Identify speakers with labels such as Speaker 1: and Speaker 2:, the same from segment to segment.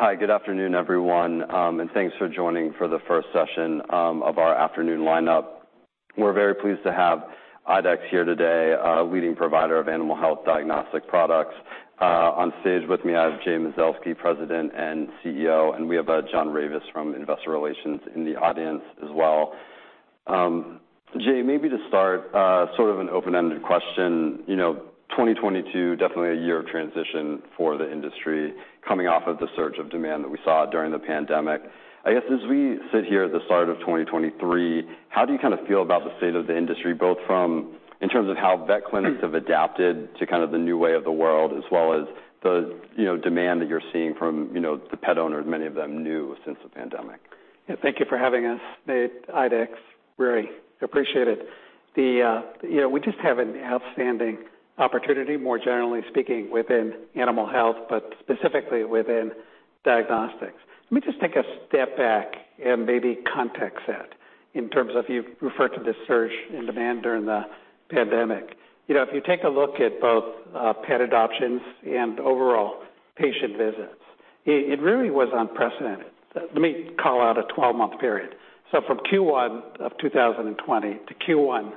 Speaker 1: Hi. Good afternoon, everyone, and thanks for joining for the first session of our afternoon lineup. We're very pleased to have IDEXX here today, a leading provider of animal health diagnostic products. On stage with me, I have Jay Mazelsky, President and CEO. We have John Rausch from Investor Relations in the audience as well. Jay, maybe to start, sort of an open-ended question. You know, 2022, definitely a year of transition for the industry coming off of the surge of demand that we saw during the pandemic. I guess as we sit here at the start of 2023, how do you kind of feel about the state of the industry, both from in terms of how vet clinics have adapted to kind of the new way of the world, as well as the, you know, demand that you're seeing from, you know, the pet owners, many of them new since the pandemic?
Speaker 2: Yeah. Thank you for having us, Nate, IDEXX. Really appreciate it. The, you know, we just have an outstanding opportunity, more generally speaking, within animal health, but specifically within diagnostics. Let me just take a step back and maybe context that in terms of you referred to the surge in demand during the pandemic. You know, if you take a look at both pet adoptions and overall patient visits, it really was unprecedented. Let me call out a 12-month period. From Q1 of 2020 to Q1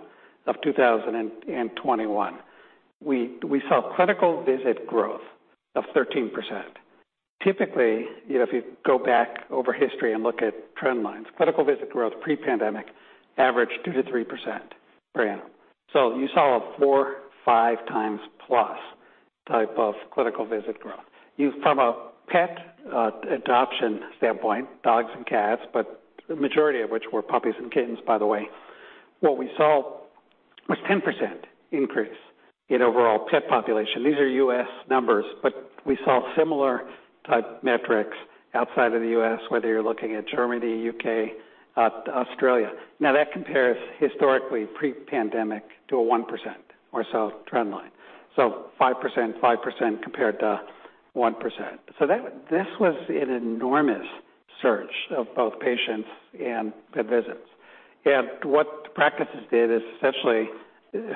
Speaker 2: of 2021, we saw clinical visit growth of 13%. Typically, you know, if you go back over history and look at trend lines, clinical visit growth pre-pandemic averaged 2%-3% per annum. You saw a 4, 5 times plus type of clinical visit growth. From a pet adoption standpoint, dogs and cats, but the majority of which were puppies and kittens, by the way, what we saw was 10% increase in overall pet population. These are U.S. numbers, but we saw similar type metrics outside of the U.S., whether you're looking at Germany, U.K., Australia. That compares historically pre-pandemic to a 1% or so trend line. 5%, 5% compared to 1%. This was an enormous surge of both patients and pet visits. What the practices did is essentially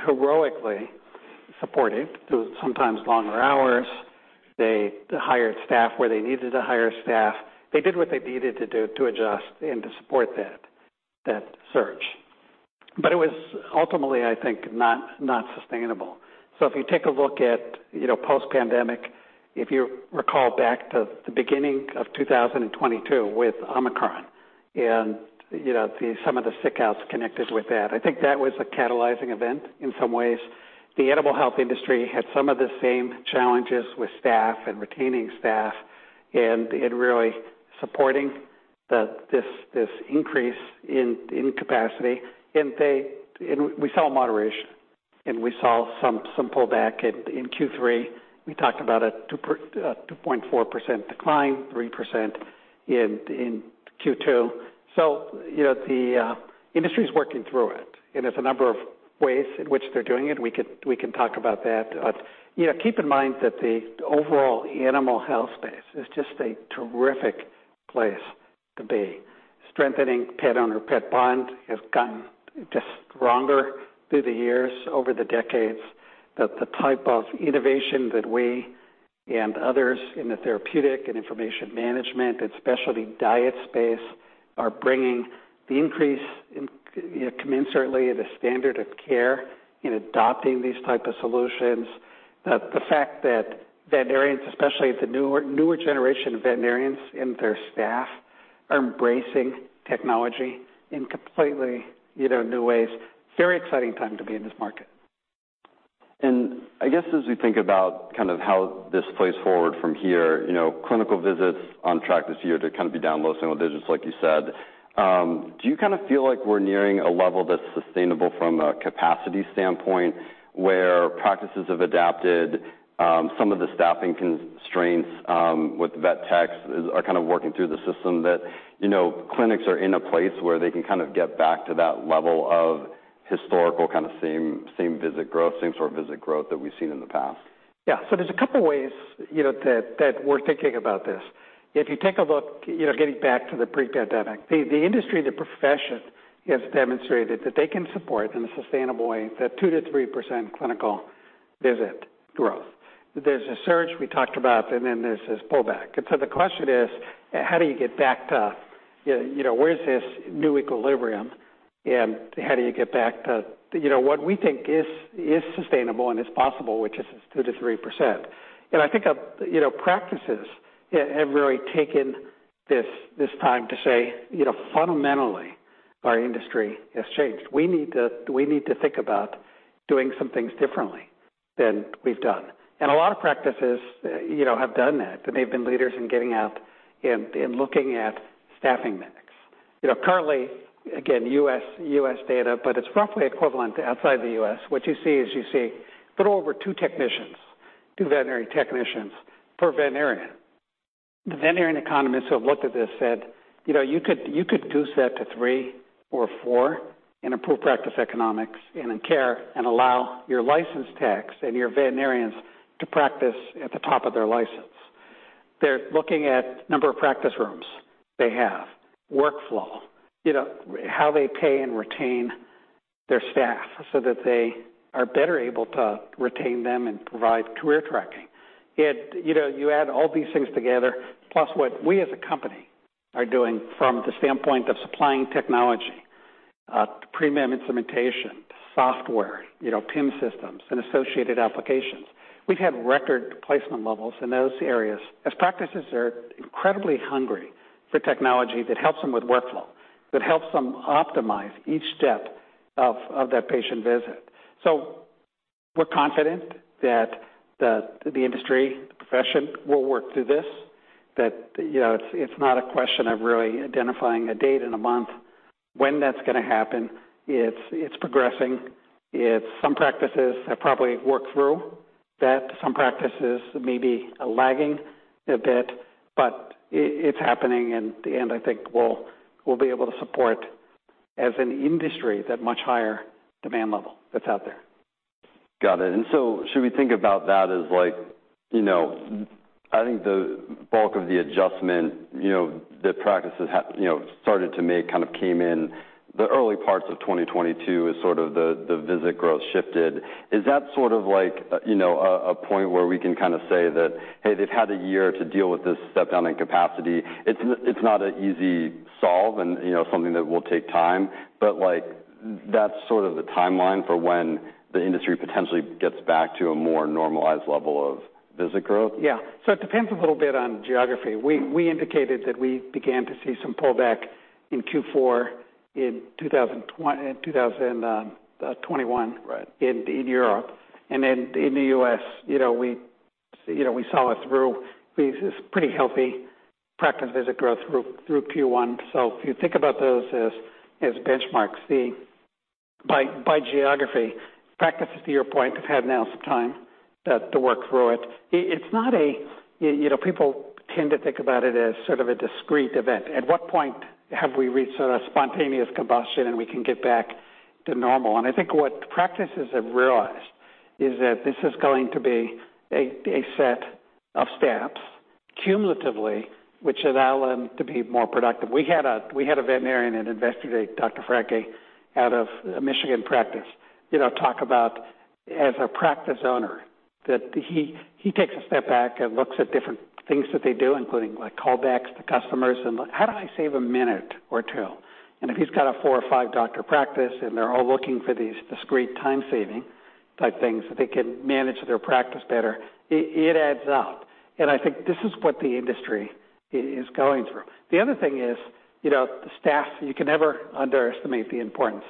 Speaker 2: heroically supported through sometimes longer hours. They hired staff where they needed to hire staff. They did what they needed to do to adjust and to support that surge. It was ultimately, I think, not sustainable. If you take a look at, you know, post-pandemic, if you recall back to the beginning of 2022 with Omicron and, you know, some of the sick outs connected with that, I think that was a catalyzing event in some ways. The animal health industry had some of the same challenges with staff and retaining staff and in really supporting this increase in capacity. We saw moderation, and we saw some pullback in Q3. We talked about a 2.4% decline, 3% in Q2. You know, the industry's working through it, and there's a number of ways in which they're doing it. We can talk about that. You know, keep in mind that the overall animal health space is just a terrific place to be. Strengthening pet owner, pet bond has gotten just stronger through the years, over the decades. The type of innovation that we and others in the therapeutic and information management and specialty diet space are bringing the increase in, you know, commensurately the standard of care in adopting these type of solutions. The fact that veterinarians, especially the newer generation of veterinarians and their staff, are embracing technology in completely, you know, new ways. Very exciting time to be in this market.
Speaker 1: I guess as we think about kind of how this plays forward from here, you know, clinical visits on track this year to kind of be down low single digits, like you said. Do you kind of feel like we're nearing a level that's sustainable from a capacity standpoint where practices have adapted, some of the staffing constraints, with vet techs are kind of working through the system that, you know, clinics are in a place where they can kind of get back to that level of historical kind of same visit growth, same sort of visit growth that we've seen in the past?
Speaker 2: There's a couple ways, you know, that we're thinking about this. If you take a look, you know, getting back to the pre-pandemic, the industry, the profession has demonstrated that they can support in a sustainable way the 2%-3% clinical visit growth. There's a surge we talked about, and then there's this pullback. The question is, how do you get back to, you know, where's this new equilibrium, and how do you get back to, you know, what we think is sustainable and is possible, which is 2%-3%. I think, you know, practices have really taken this time to say, "You know, fundamentally our industry has changed. We need to think about doing some things differently than we've done. A lot of practices, you know, have done that, and they've been leaders in getting out and looking at staffing mix. You know, currently, again, U.S. data, but it's roughly equivalent to outside the U.S. What you see is you see a little over 2 veterinary technicians per veterinarian. The veterinarian economists who have looked at this said, "You know, you could reduce that to 3 or 4 and improve practice economics and in care and allow your licensed techs and your veterinarians to practice at the top of their license." They're looking at number of practice rooms they have, workflow, you know, how they pay and retain their staff so that they are better able to retain them and provide career tracking. You know, you add all these things together, plus what we as a company are doing from the standpoint of supplying technology, premium instrumentation, software, you know, PIMS systems and associated applications. We've had record placement levels in those areas as practices are incredibly hungry for technology that helps them with workflow, that helps them optimize each step of that patient visit. We're confident that the industry, the profession will work through this, that, you know, it's not a question of really identifying a date and a month when that's gonna happen. It's, it's progressing. Some practices have probably worked through that. Some practices may be lagging a bit, but it's happening. In the end, I think we'll be able to support as an industry that much higher demand level that's out there.
Speaker 1: Got it. Should we think about that as like, you know, I think the bulk of the adjustment, you know, that practices have, you know, started to make kind of came in the early parts of 2022 as sort of the visit growth shifted. Is that sort of like, you know, a point where we can kind of say that, "Hey, they've had a year to deal with this step down in capacity." It's not an easy solve and, you know, something that will take time, but, like, that's sort of the timeline for when the industry potentially gets back to a more normalized level of visit growth?
Speaker 2: Yeah. It depends a little bit on geography. We, we indicated that we began to see some pullback in Q4 in 2021.
Speaker 1: Right...
Speaker 2: in Europe. Then in the US, you know, we saw it through. It's pretty healthy practice visit growth through Q1. If you think about those as benchmarks, the by geography practices, to your point, have had now some time to work through it. It's not a, you know, people tend to think about it as sort of a discrete event. At what point have we reached a spontaneous combustion and we can get back to normal? I think what practices have realized is that this is going to be a set of steps cumulatively which allow them to be more productive. We had a veterinarian and investigator, Bruce Francke, out of a Michigan practice, you know, talk about as a practice owner that he takes a step back and looks at different things that they do, including like callbacks to customers and like, "How do I save a minute or 2?" If he's got a 4 or 5-doctor practice and they're all looking for these discrete time saving type things that they can manage their practice better, it adds up. I think this is what the industry is going through. The other thing is, you know, the staff, you can never underestimate the importance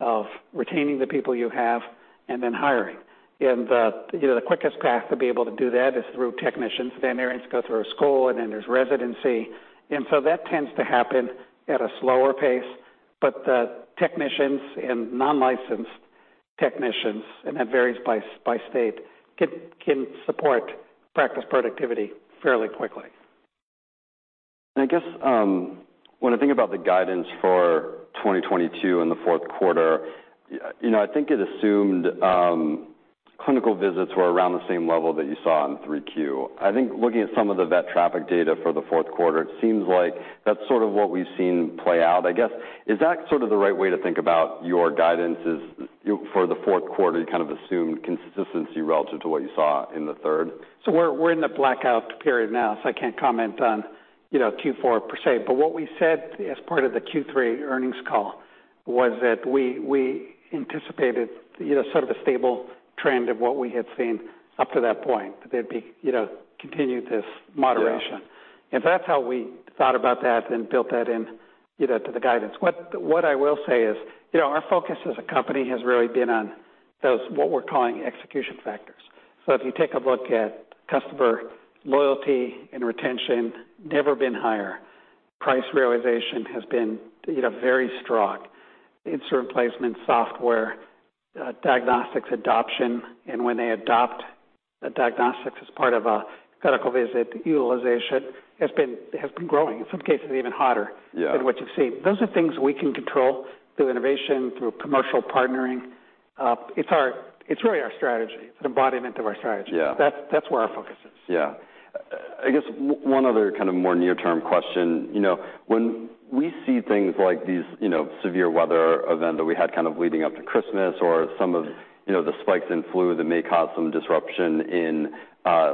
Speaker 2: of retaining the people you have and then hiring. You know, the quickest path to be able to do that is through technicians. Veterinarians go through a school, and then there's residency, and so that tends to happen at a slower pace. The technicians and non-licensed technicians, and that varies by state, can support practice productivity fairly quickly.
Speaker 1: I guess, when I think about the guidance for 2022 in the fourth quarter, you know, I think it assumed, clinical visits were around the same level that you saw in 3Q. I think looking at some of the vet traffic data for the fourth quarter, it seems like that's sort of what we've seen play out. I guess, is that sort of the right way to think about your guidances, you, for the fourth quarter, you kind of assumed consistency relative to what you saw in the third?
Speaker 2: We're in the blackout period now, so I can't comment on, you know, Q4 per say. What we said as part of the Q3 earnings call was that we anticipated, you know, sort of a stable trend of what we had seen up to that point. There'd be, you know, continue this moderation.
Speaker 1: Yeah.
Speaker 2: That's how we thought about that and built that in, you know, to the guidance. What I will say is, you know, our focus as a company has really been on those, what we're calling execution factors. If you take a look at customer loyalty and retention, never been higher. Price realization has been, you know, very strong. Instrument replacement, software, diagnostics adoption, and when they adopt a diagnostic as part of a clinical visit, utilization has been growing, in some cases even hotter-
Speaker 1: Yeah...
Speaker 2: than what you've seen. Those are things we can control through innovation, through commercial partnering. It's really our strategy. It's an embodiment of our strategy.
Speaker 1: Yeah.
Speaker 2: That's where our focus is.
Speaker 1: Yeah. I guess 1 other kind of more near-term question. You know, when we see things like these, you know, severe weather event that we had kind of leading up to Christmas or some of, you know, the spikes in flu that may cause some disruption in,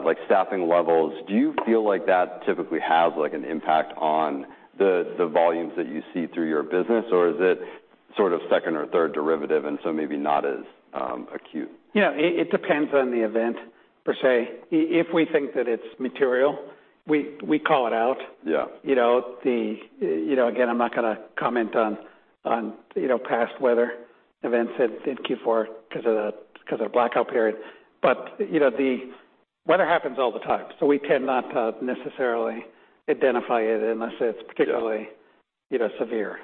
Speaker 1: like staffing levels, do you feel like that typically has, like, an impact on the volumes that you see through your business, or is it sort of second or third derivative and so maybe not as acute?
Speaker 2: You know, it depends on the event per se. If we think that it's material, we call it out.
Speaker 1: Yeah.
Speaker 2: You know, the, you know, again, I'm not gonna comment on, you know, past weather events in Q4 'cause of the, 'cause of the blackout period. You know, the weather happens all the time, so we cannot necessarily identify it unless it's particularly.
Speaker 1: Yeah...
Speaker 2: you know, severe.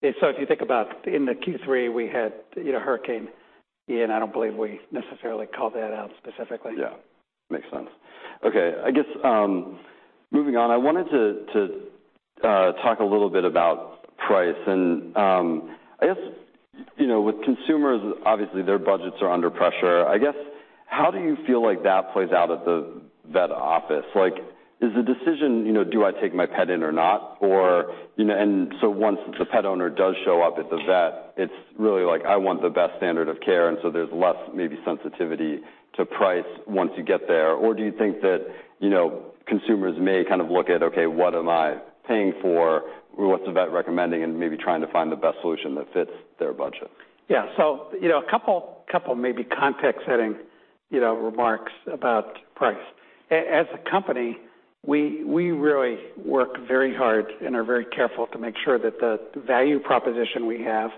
Speaker 2: If you think about in the Q3, we had, you know, Hurricane Ian. I don't believe we necessarily called that out specifically.
Speaker 1: Yeah. Makes sense. Okay. I guess, moving on, I wanted to talk a little bit about price. I guess, you know, with consumers, obviously their budgets are under pressure. How do you feel like that plays out at the vet office? Like, is the decision, you know, do I take my pet in or not? Once the pet owner does show up at the vet, it's really like, I want the best standard of care, and so there's less maybe sensitivity to price once you get there. Do you think that, you know, consumers may kind of look at, okay, what am I paying for? What's the vet recommending? Maybe trying to find the best solution that fits their budget.
Speaker 2: Yeah. You know, a couple maybe context-setting, you know, remarks about price. As a company, we really work very hard and are very careful to make sure that the value proposition we have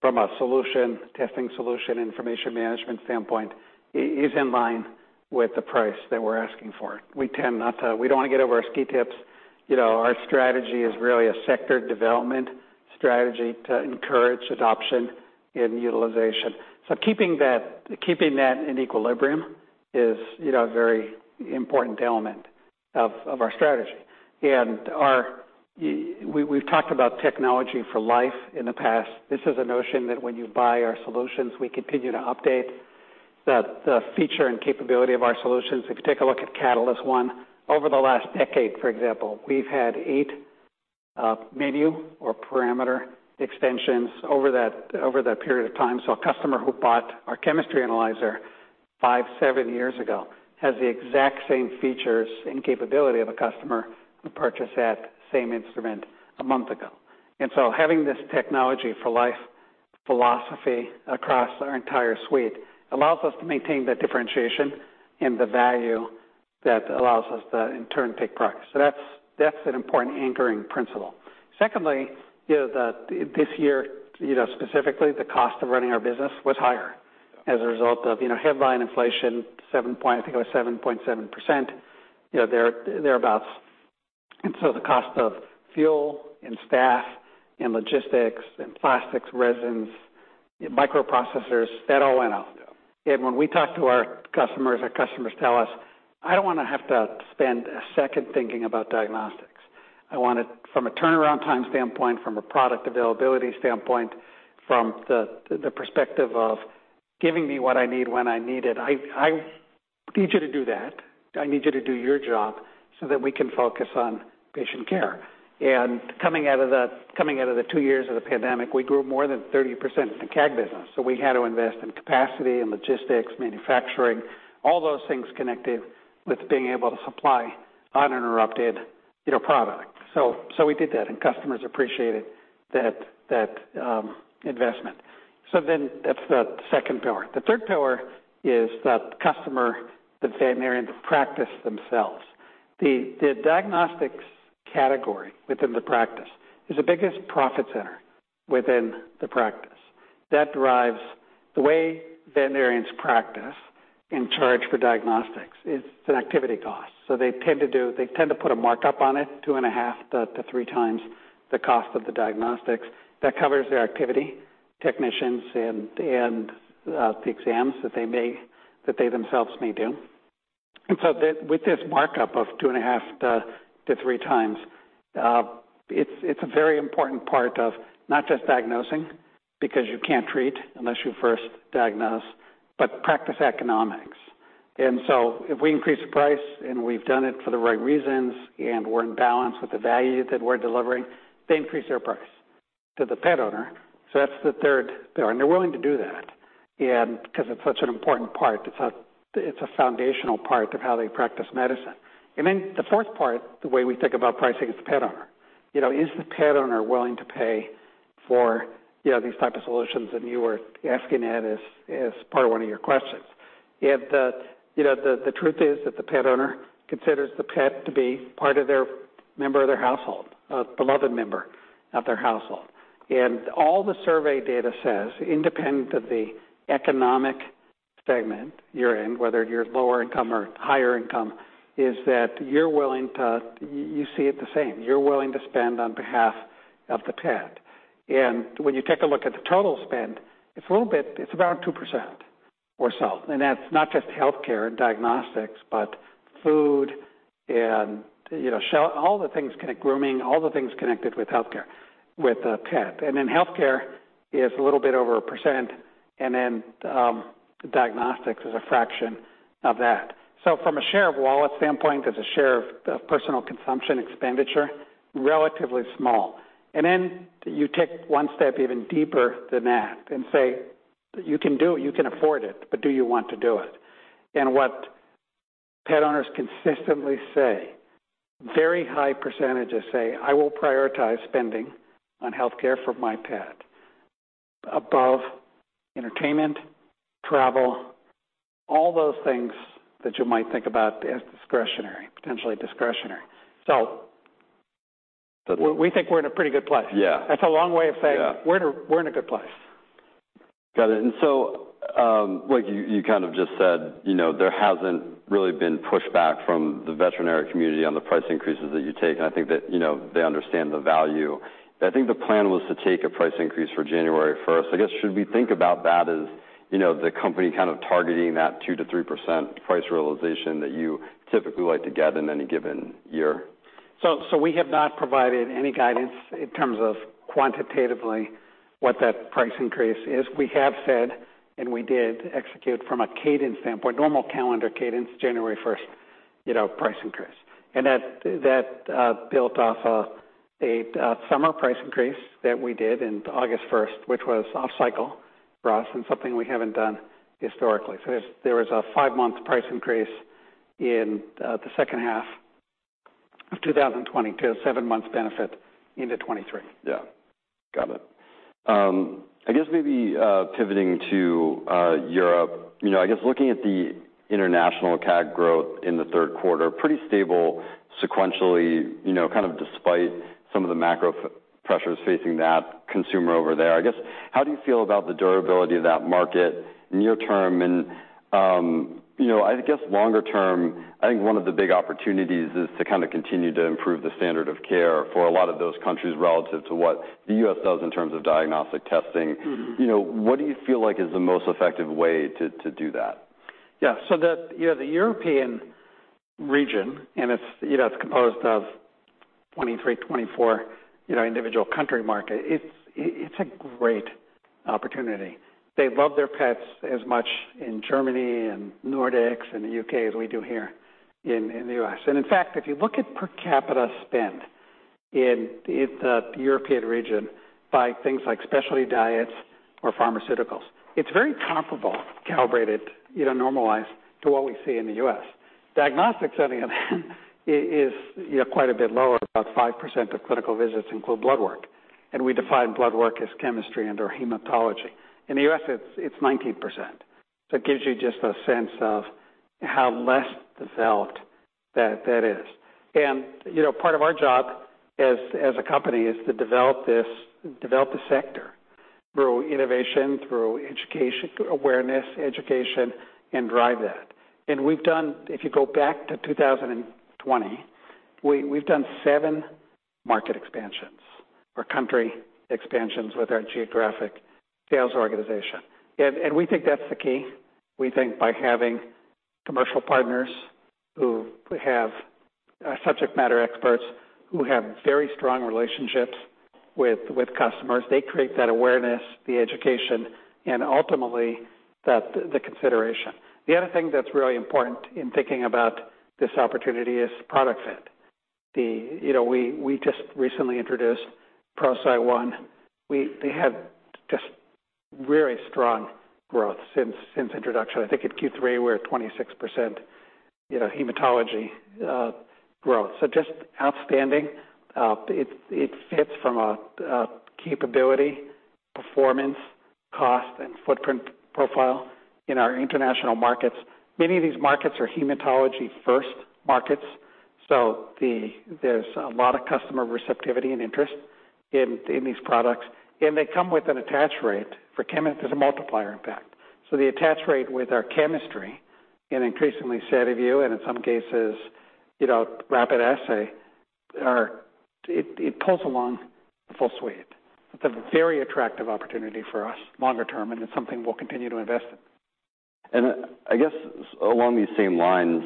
Speaker 2: from a solution, testing solution, information management standpoint is in line with the price that we're asking for. We tend not to. We don't wanna get over our ski tips. You know, our strategy is really a sector development strategy to encourage adoption and utilization. Keeping that in equilibrium is, you know, a very important element of our strategy. Our. We've talked about Technology for Life in the past. This is a notion that when you buy our solutions, we continue to update the feature and capability of our solutions. If you take a look at Catalyst One, over the last decade, for example, we've had 8 menu or parameter extensions over that period of time. A customer who bought our chemistry analyzer 5, 7 years ago has the exact same features and capability of a customer who purchased that same instrument a month ago. Having this Technology for Life philosophy across our entire suite allows us to maintain the differentiation and the value that allows us to, in turn, take price. That's an important anchoring principle. Secondly, you know, this year, you know, specifically, the cost of running our business was higher as a result of, you know, headline inflation, 7.7%, you know, thereabouts. The cost of fuel and staff and logistics and plastics, resins, microprocessors, that all went up. When we talk to our customers, our customers tell us, "I don't wanna have to spend a second thinking about diagnostics. I want it from a turnaround time standpoint, from a product availability standpoint, from the perspective of giving me what I need when I need it. I need you to do that. I need you to do your job so that we can focus on patient care." Coming out of the 2 years of the pandemic, we grew more than 30% in the CAG business, we had to invest in capacity, in logistics, manufacturing, all those things connected with being able to supply uninterrupted, you know, product. We did that, and customers appreciated that investment. That's the second pillar. The third pillar is the customer, the veterinarian, the practice themselves. The diagnostics category within the practice is the biggest profit center within the practice. The way veterinarians practice and charge for diagnostics, it's an activity cost. They tend to put a markup on it, 2 and a half to 3 times the cost of the diagnostics. That covers their activity, technicians and the exams that they themselves may do. With this markup of 2 and a half to3 times, it's a very important part of not just diagnosing, because you can't treat unless you first diagnose, but practice economics. If we increase the price and we've done it for the right reasons and we're in balance with the value that we're delivering, they increase their price to the pet owner. That's the third pillar. They're willing to do that, and Cause it's such an important part. It's a foundational part of how they practice medicine. The fourth part, the way we think about pricing, is the pet owner. You know, is the pet owner willing to pay for, you know, these type of solutions? You were asking that as part of 1 of your questions. The, you know, the truth is that the pet owner considers the pet to be part of their member of their household, a beloved member of their household. All the survey data says, independent of the economic segment you're in, whether you're lower income or higher income, is that you see it the same. You're willing to spend on behalf of the pet. When you take a look at the total spend, it's a little bit. It's about 2% or so. That's not just healthcare and diagnostics, but food and, you know, grooming, all the things connected with healthcare with the pet. Healthcare is a little bit over 1%, and then diagnostics is a fraction of that. From a share of wallet standpoint, as a share of the personal consumption expenditure, relatively small. You take 1 step even deeper than that and say you can do it, you can afford it, but do you want to do it? What pet owners consistently say, very high percentages say, "I will prioritize spending on healthcare for my pet above entertainment, travel," all those things that you might think about as discretionary, potentially discretionary. We, we think we're in a pretty good place.
Speaker 1: Yeah.
Speaker 2: That's a long way of saying.
Speaker 1: Yeah.
Speaker 2: We're in a good place.
Speaker 1: Got it. Like you kind of just said, you know, there hasn't really been pushback from the veterinary community on the price increases that you take, and I think that, you know, they understand the value. I think the plan was to take a price increase for January 1st. I guess, should we think about that as, you know, the company kind of targeting that 2%-3% price realization that you typically like to get in any given year?
Speaker 2: We have not provided any guidance in terms of quantitatively what that price increase is. We have said, we did execute from a cadence standpoint, normal calendar cadence, January first, you know, price increase. That, that built off a summer price increase that we did in August first, which was off cycle for us and something we haven't done historically. There was a 5-month price increase in the second half of 2020 to a 7-month benefit into 23.
Speaker 1: Yeah. Got it. I guess maybe, pivoting to Europe, you know, I guess looking at the international CAG growth in the third quarter, pretty stable sequentially, you know, kind of despite some of the macro pressures facing that consumer over there. I guess, how do you feel about the durability of that market near term? You know, I guess longer term, I think 1 of the big opportunities is to kind of continue to improve the standard of care for a lot of those countries relative to what the U.S. does in terms of diagnostic testing.
Speaker 2: Mm-hmm.
Speaker 1: You know, what do you feel like is the most effective way to do that?
Speaker 2: The European region, and it's composed of 23, 24 individual country market, it's a great opportunity. They love their pets as much in Germany and Nordics and the U.K. as we do here in the U.S. In fact, if you look at per capita spend in the European region by things like specialty diets or pharmaceuticals, it's very comparable, calibrated, normalized to what we see in the U.S. Diagnostics at the end is quite a bit lower, about 5% of clinical visits include blood work, and we define blood work as chemistry and/or hematology. In the U.S. it's 19%. It gives you just a sense of how less developed that is. You know, part of our job as a company is to develop this, develop the sector through innovation, through education, awareness, education, and drive that. We've done... If you go back to 2020, we've done 7 market expansions or country expansions with our geographic sales organization. We think that's the key. We think by having commercial partners who have subject matter experts who have very strong relationships with customers, they create that awareness, the education, and ultimately the consideration. The other thing that's really important in thinking about this opportunity is product fit. You know, we just recently introduced ProCyte One. They had just very strong growth since introduction. I think at Q3 we're at 26%, you know, hematology growth, so just outstanding. It fits from a capability, performance, cost, and footprint profile in our international markets. Many of these markets are hematology-first markets. There's a lot of customer receptivity and interest in these products. They come with an attach rate for chemi-. There's a multiplier impact. The attach rate with our chemistry in increasingly SediVue Dx and in some cases, you know, rapid assay are, it pulls along the full suite. It's a very attractive opportunity for us longer term, and it's something we'll continue to invest in.
Speaker 1: I guess along these same lines,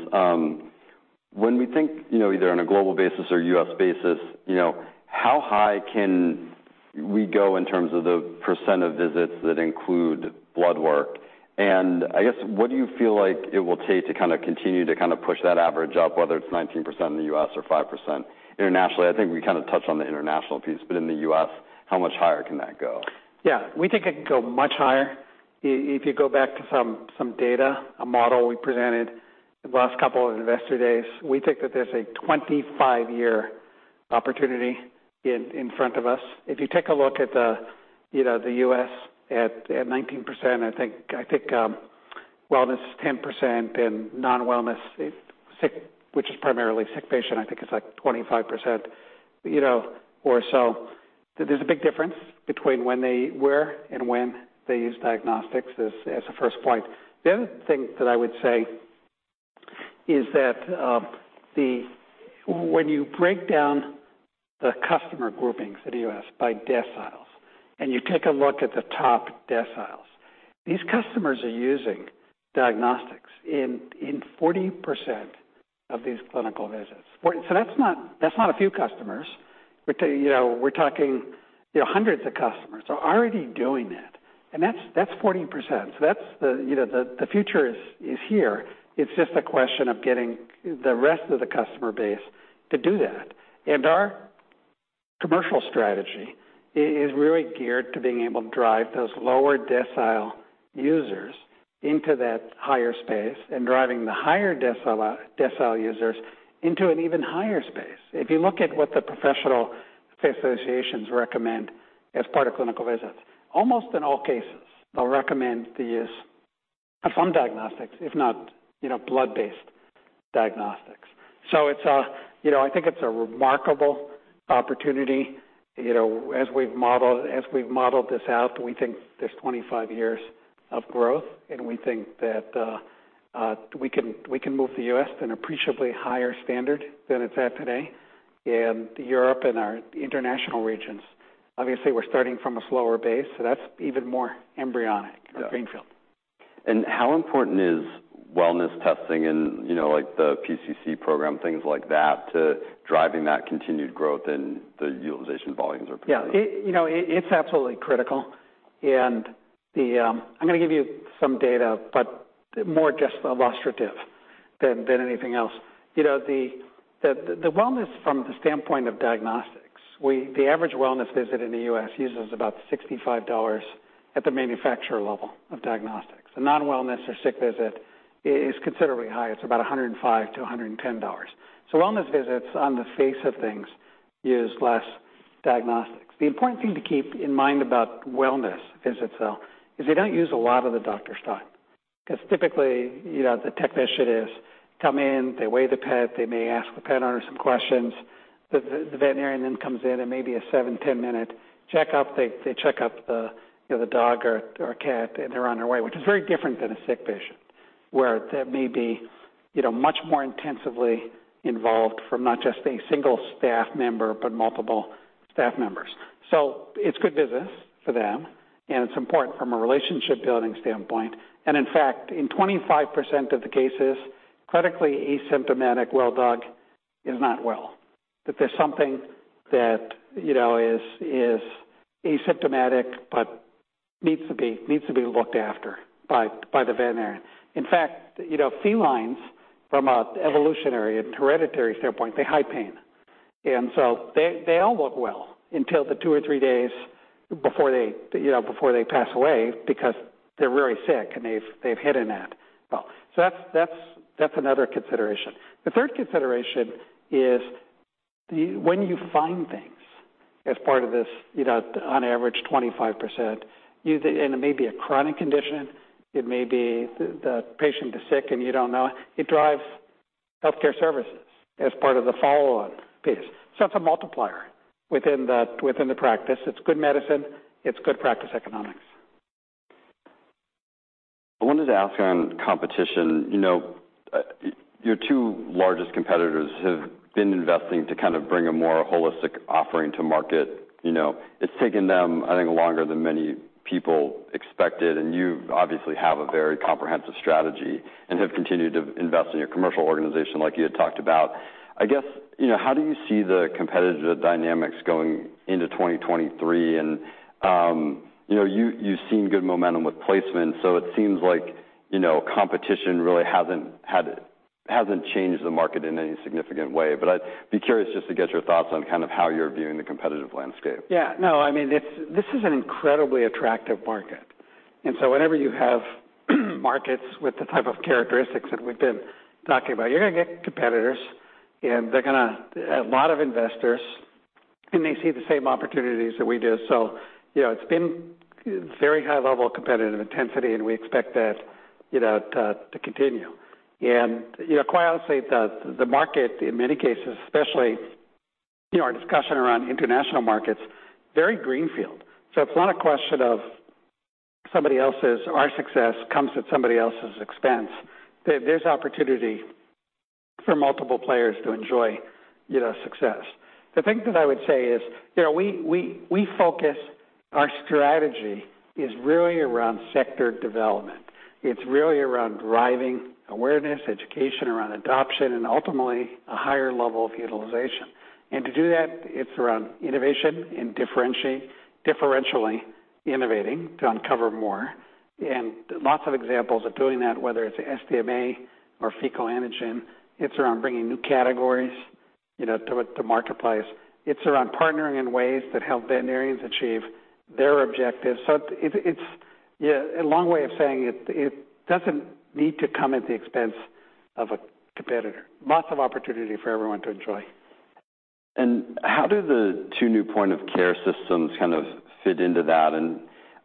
Speaker 1: when we think, you know, either on a global basis or U.S. basis, you know, how high can we go in terms of the percent of visits that include blood work? I guess, what do you feel like it will take to kind of continue to kind of push that average up, whether it's 19% in the U.S. or 5% internationally? I think we kind of touched on the international piece, but in the U.S., how much higher can that go?
Speaker 2: We think it can go much higher. If you go back to some data, a model we presented the last couple of Investor Days, we think that there's a 25-year opportunity in front of us. If you take a look at the, you know, the U.S. at 19%, I think wellness is 10% and non-wellness is sick, which is primarily sick patient, I think it's like 25%, you know, or so. There's a big difference between where and when they use diagnostics as a first point. The other thing that I would say is that when you break down the customer groupings in the U.S. by deciles and you take a look at the top deciles, these customers are using diagnostics in 40% of these clinical visits. That's not a few customers. you know, we're talking, you know, hundreds of customers are already doing that, and that's 40%. That's the, you know, the future is here. It's just a question of getting the rest of the customer base to do that. Our commercial strategy is really geared to being able to drive those lower decile users into that higher space and driving the higher decile users into an even higher space. If you look at what the professional associations recommend as part of clinical visits, almost in all cases, they'll recommend the use of some diagnostics, if not, you know, blood-based diagnostics. It's a, you know, I think it's a remarkable opportunity. You know, as we've modeled this out, we think there's 25 years of growth, and we think that we can move the U.S. to an appreciably higher standard than it's at today. Europe and our international regions, obviously we're starting from a slower base, so that's even more embryonic or greenfield.
Speaker 1: How important is wellness testing and, you know, like, the PCC program, things like that, to driving that continued growth and the utilization volumes?
Speaker 2: Yeah, it, you know, it's absolutely critical. I'm gonna give you some data, but more just illustrative than anything else. You know, the wellness from the standpoint of diagnostics, the average wellness visit in the U.S. uses about $65 at the manufacturer level of diagnostics. A non-wellness or sick visit is considerably higher. It's about $105-$110. Wellness visits, on the face of things, use less diagnostics. The important thing to keep in mind about wellness visits, though, is they don't use a lot of the doctor's time. 'Cause typically, you know, the technician is come in, they weigh the pet, they may ask the pet owner some questions. The veterinarian then comes in and maybe a 7, 10-minute checkup. They checkup the, you know, the dog or a cat, they're on their way. Which is very different than a sick patient, where that may be, you know, much more intensively involved from not just a single staff member but multiple staff members. It's good business for them, and it's important from a relationship-building standpoint. In fact, in 25% of the cases, clinically asymptomatic well dog is not well, that there's something that, you know, is asymptomatic but needs to be looked after by the veterinarian. In fact, you know, felines from a evolutionary and hereditary standpoint, they hide pain. They all look well until the 2 or 3 days before they, you know, before they pass away because they're very sick and they've hidden that well. That's another consideration. The third consideration is when you find things as part of this, you know, on average 25%, and it may be a chronic condition, it may be the patient is sick and you don't know it drives healthcare services as part of the follow-on piece. It's a multiplier within the, within the practice. It's good medicine. It's good practice economics.
Speaker 1: I wanted to ask on competition. You know, your 2 largest competitors have been investing to kind of bring a more holistic offering to market. You know, it's taken them, I think, longer than many people expected. You obviously have a very comprehensive strategy and have continued to invest in your commercial organization like you had talked about. I guess, you know, how do you see the competitive dynamics going into 2023? You know, you've seen good momentum with placement, so it seems like, you know, competition really hasn't changed the market in any significant way. I'd be curious just to get your thoughts on kind of how you're viewing the competitive landscape.
Speaker 2: Yeah. No, I mean, this is an incredibly attractive market. Whenever you have markets with the type of characteristics that we've been talking about, you're gonna get competitors, a lot of investors, and they see the same opportunities that we do. you know, it's been very high level of competitive intensity, and we expect that, you know, to continue. you know, quite honestly, the market in many cases, especially, you know, our discussion around international markets, very greenfield. It's not a question of our success comes at somebody else's expense. There's opportunity for multiple players to enjoy, you know, success. The thing that I would say is, you know, we focus our strategy is really around sector development. It's really around driving awareness, education around adoption, and ultimately a higher level of utilization. To do that, it's around innovation and differentially innovating to uncover more. Lots of examples of doing that, whether it's SDMA or fecal antigen, it's around bringing new categories, you know, to a marketplace. It's around partnering in ways that help veterinarians achieve their objectives. It's, yeah, a long way of saying it doesn't need to come at the expense of a competitor. Lots of opportunity for everyone to enjoy.
Speaker 1: How do the 2 new point-of-care systems kind of fit into that?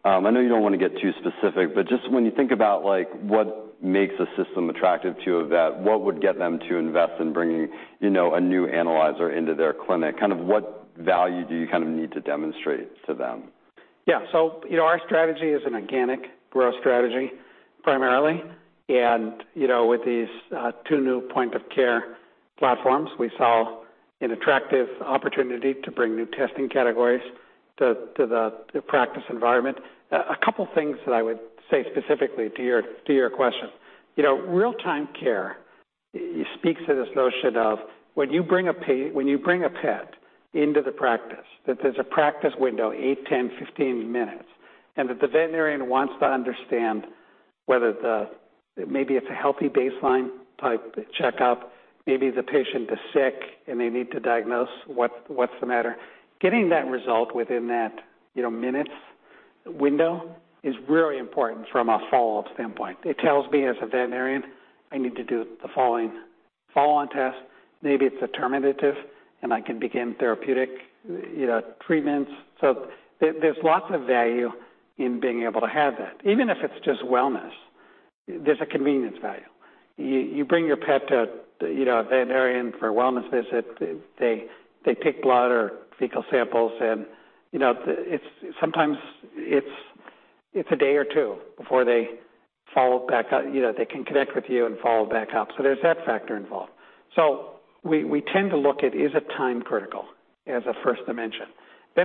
Speaker 1: I know you don't want to get too specific, but just when you think about, like, what makes a system attractive to a vet, what would get them to invest in bringing, you know, a new analyzer into their clinic? Kind of what value do you kind of need to demonstrate to them?
Speaker 2: Yeah. You know, our strategy is an organic growth strategy primarily. You know, with these 2 new point-of-care platforms, we saw an attractive opportunity to bring new testing categories to the practice environment. A couple things that I would say specifically to your question. You know, real-time care speaks to this notion of when you bring a pet into the practice, that there's a practice window, 8, 10, 15 minutes, and that the veterinarian wants to understand whether the... maybe it's a healthy baseline-type checkup. Maybe the patient is sick, and they need to diagnose what's the matter. Getting that result within that, you know, minutes window is really important from a follow-up standpoint. It tells me as a veterinarian, I need to do the following follow-on test. Maybe it's determinative, and I can begin therapeutic, you know, treatments. There, there's lots of value in being able to have that. Even if it's just wellness, there's a convenience value. You, you bring your pet to, you know, a veterinarian for a wellness visit. They, they take blood or fecal samples and, you know, it's sometimes it's a day or 2 before they follow back up, you know, they can connect with you and follow back up. There's that factor involved. We, we tend to look at is it time-critical as a first dimension.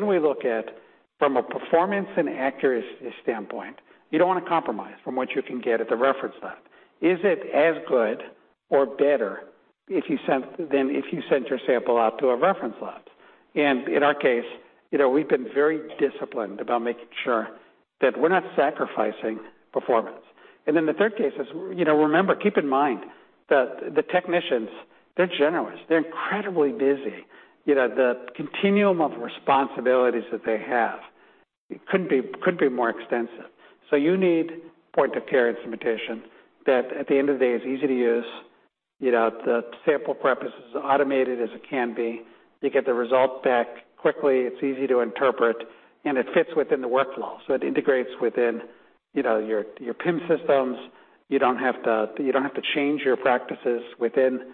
Speaker 2: We look at from a performance and accuracy standpoint, you don't wanna compromise from what you can get at the reference lab. Is it as good or better than if you sent your sample out to a reference lab? In our case, you know, we've been very disciplined about making sure that we're not sacrificing performance. The third case is, you know, remember, keep in mind that the technicians, they're generous. They're incredibly busy. You know, the continuum of responsibilities that they have couldn't be more extensive. You need point-of-care instrumentation that at the end of the day is easy to use. You know, the sample prep is as automated as it can be. You get the result back quickly, it's easy to interpret, and it fits within the workflow. It integrates within, you know, your PIM systems. You don't have to, you don't have to change your practices within the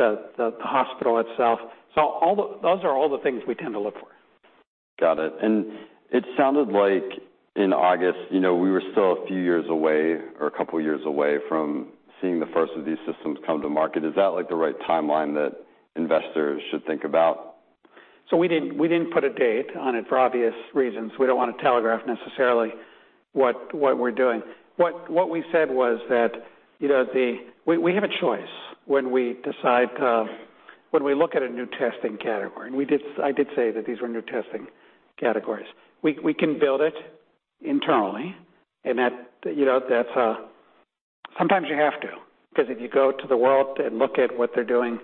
Speaker 2: hospital itself. Those are all the things we tend to look for.
Speaker 1: Got it. It sounded like in August, you know, we were still a few years away or a couple years away from seeing the first of these systems come to market. Is that, like, the right timeline that investors should think about?
Speaker 2: We didn't, we didn't put a date on it for obvious reasons. We don't wanna telegraph necessarily what we're doing. What, what we said was that, you know, we have a choice when we look at a new testing category. I did say that these were new testing categories. We, we can build it internally and that, you know, that's. Sometimes you have to, 'cause if you go to the world and look at what they're doing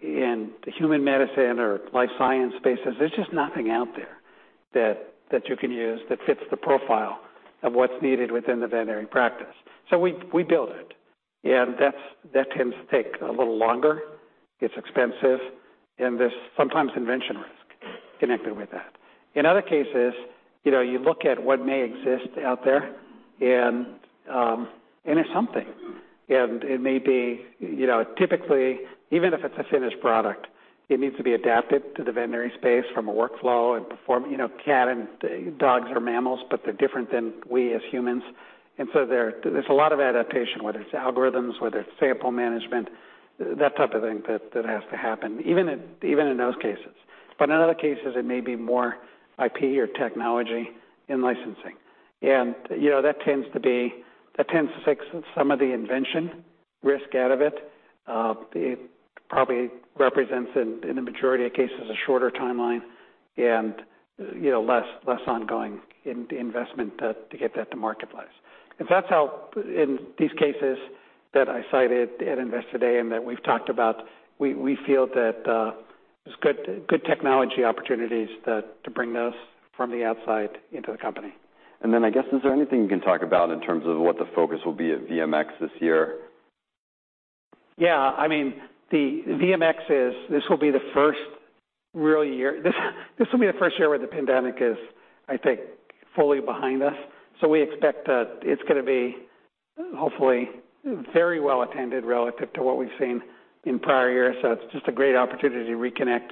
Speaker 2: in the human medicine or life science spaces, there's just nothing out there that you can use that fits the profile of what's needed within the veterinary practice. We, we build it, and that's, that tends to take a little longer. It's expensive, and there's sometimes invention risk connected with that. In other cases, you know, you look at what may exist out there and it's something. It may be, you know, typically, even if it's a finished product, it needs to be adapted to the veterinary space from a workflow and perform, you know, cat and dogs are mammals, but they're different than we as humans. There's a lot of adaptation, whether it's algorithms, whether it's sample management, that type of thing that has to happen, even in those cases. In other cases it may be more IP or technology in-licensing. You know, that tends to fix some of the invention risk out of it. It probably represents in the majority of cases, a shorter timeline and, you know, less ongoing in-investment to get that to marketplace. That's how in these cases that I cited at Investor Day and that we've talked about, we feel that there's good technology opportunities to bring those from the outside into the company.
Speaker 1: I guess, is there anything you can talk about in terms of what the focus will be at VMX this year?
Speaker 2: Yeah. I mean, the VMX is, this will be the first real year. This will be the first year where the pandemic is, I think, fully behind us. We expect that it's gonna be hopefully very well attended relative to what we've seen in prior years. It's just a great opportunity to reconnect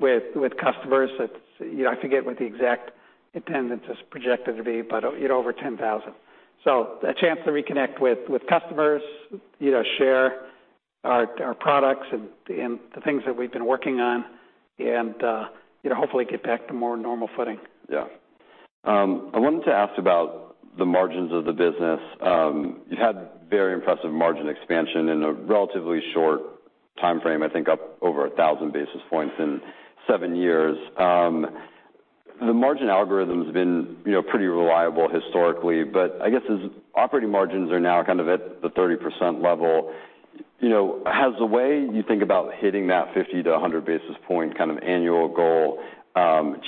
Speaker 2: with customers that, you know, I forget what the exact attendance is projected to be, but, you know, over 10,000. A chance to reconnect with customers, you know, share our products and the things that we've been working on and, you know, hopefully get back to more normal footing.
Speaker 1: Yeah. I wanted to ask about the margins of the business. You've had very impressive margin expansion in a relatively short timeframe, I think up over 1,000 basis points in 7 years. The margin algorithm's been, you know, pretty reliable historically, but I guess as operating margins are now kind of at the 30% level, you know, has the way you think about hitting that 50-100 basis point kind of annual goal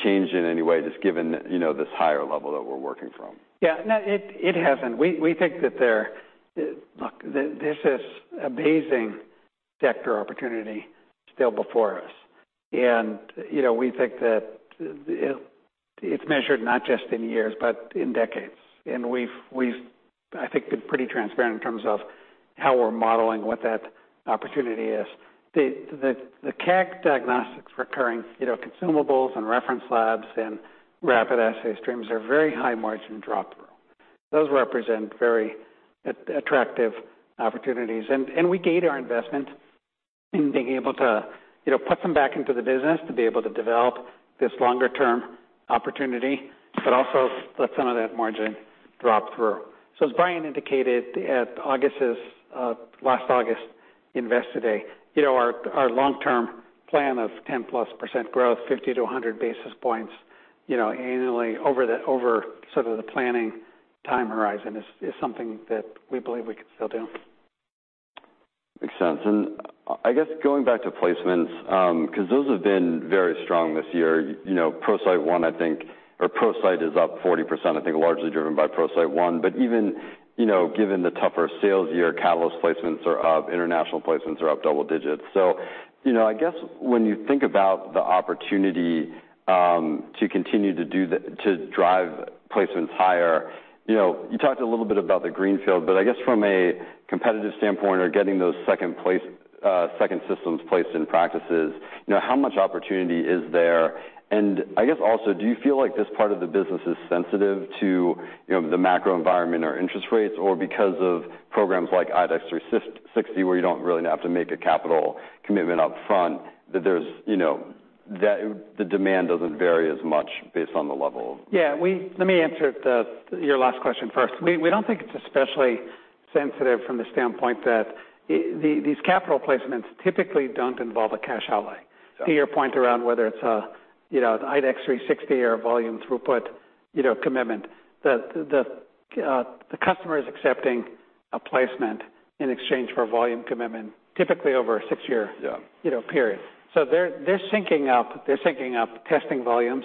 Speaker 1: changed in any way, just given, you know, this higher level that we're working from?
Speaker 2: Yeah. No, it hasn't. We think that there's this amazing sector opportunity still before us. You know, we think that it's measured not just in years, but in decades. We've I think been pretty transparent in terms of how we're modeling what that opportunity is. The CAG Diagnostics recurring, you know, consumables and reference labs and rapid assay streams are very high margin drop through. Those represent very attractive opportunities. We gate our investment in being able to, you know, put them back into the business to be able to develop this longer term opportunity, but also let some of that margin drop through. As Brian indicated at August's last August Investor Day, you know, our long-term plan of 10+% growth, 50-100 basis points, you know, annually over sort of the planning time horizon is something that we believe we can still do.
Speaker 1: I guess going back to placements, 'cause those have been very strong this year. You know, ProCyte is up 40%, I think largely driven by ProCyte One, but even, you know, given the tougher sales year, Catalyst placements are up, International placements are up double digits. So, you know, I guess when you think about the opportunity to continue to drive placements higher, you know, you talked a little bit about the greenfield, but I guess from a competitive standpoint or getting those second systems placed in practices, you know, how much opportunity is there? And I guess also, do you feel like this part of the business is sensitive to, you know, the macro environment or interest rates? Because of programs like IDEXX 360, where you don't really have to make a capital commitment up front, that there's, you know, the demand doesn't vary as much based on the level.
Speaker 2: Yeah, Let me answer the, your last question first. We don't think it's especially sensitive from the standpoint that these capital placements typically don't involve a cash outlay.
Speaker 1: Sure.
Speaker 2: To your point around whether it's a, you know, IDEXX 360 or volume throughput, you know, commitment, the customer is accepting a placement in exchange for volume commitment, typically over a 6-year-
Speaker 1: Yeah...
Speaker 2: you know, period. They're syncing up testing volumes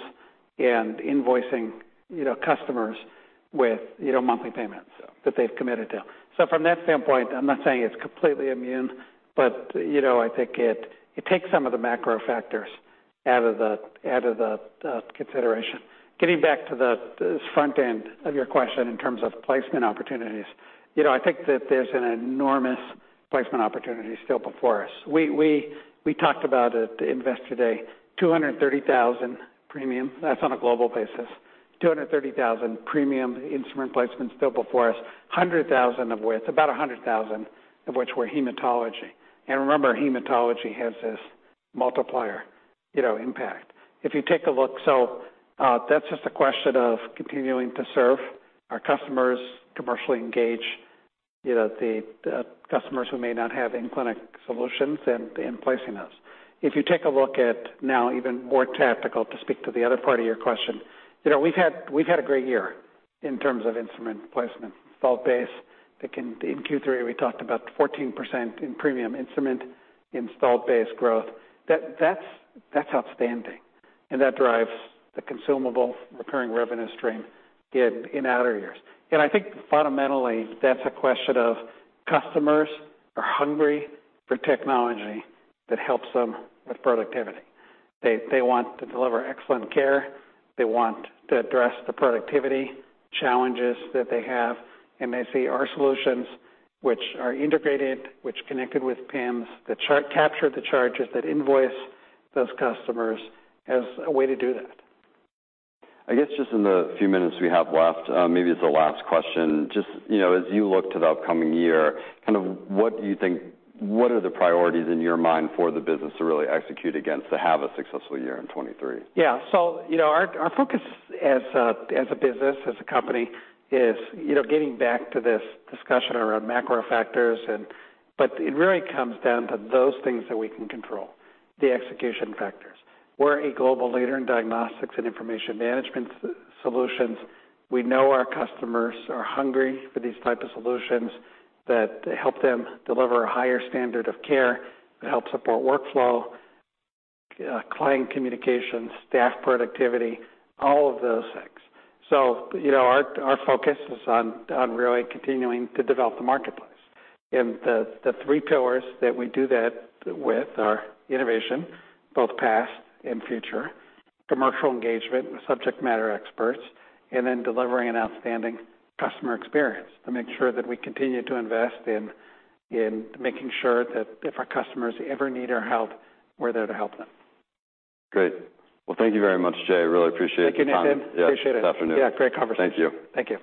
Speaker 2: and invoicing, you know, customers with, you know, monthly payments that they've committed to. From that standpoint, I'm not saying it's completely immune, but, you know, I think it takes some of the macro factors out of the consideration. Getting back to the front end of your question in terms of placement opportunities, you know, I think that there's an enormous placement opportunity still before us. We talked about at the Investor Day, 230,000 premium, that's on a global basis. 230,000 premium instrument placements still before us, 100,000 of which, about 100,000 of which were hematology. Remember, hematology has this multiplier, you know, impact. If you take a look... That's just a question of continuing to serve our customers, commercially engage, you know, the customers who may not have in-clinic solutions and placing those. If you take a look at now, even more tactical, to speak to the other part of your question, you know, we've had a great year in terms of instrument placement, installed base. I think in Q3, we talked about 14% in premium instrument installed base growth. That's outstanding, and that drives the consumable recurring revenue stream in outer years. I think fundamentally, that's a question of customers are hungry for technology that helps them with productivity. They want to deliver excellent care. They want to address the productivity challenges that they have. They see our solutions, which are integrated, which connected with PIMS, that capture the charges, that invoice those customers, as a way to do that.
Speaker 1: I guess, just in the few minutes we have left, maybe it's the last question. Just, you know, as you look to the upcoming year, kind of what do you think, what are the priorities in your mind for the business to really execute against to have a successful year in 2023?
Speaker 2: Yeah. You know, our focus as a business, as a company is, you know, getting back to this discussion around macro factors, but it really comes down to those things that we can control, the execution factors. We're a global leader in diagnostics and information management solutions. We know our customers are hungry for these type of solutions that help them deliver a higher standard of care, that help support workflow, client communication, staff productivity, all of those things. You know, our focus is on really continuing to develop the marketplace. The 3 pillars that we do that with are innovation, both past and future, commercial engagement with subject matter experts, and then delivering an outstanding customer experience to make sure that we continue to invest in making sure that if our customers ever need our help, we're there to help them.
Speaker 1: Great. Well, thank you very much, Jay. I really appreciate the time.
Speaker 2: Thank you, Nathan. Appreciate it.
Speaker 1: Yes, this afternoon.
Speaker 2: Yeah, great conversation.
Speaker 1: Thank you.
Speaker 2: Thank you.